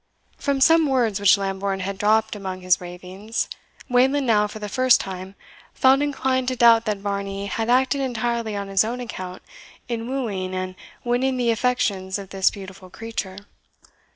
From some words which Lambourne had dropped among his ravings, Wayland now, for the first time, felt inclined to doubt that Varney had acted entirely on his own account in wooing and winning the affections of this beautiful creature.